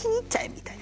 みたいな。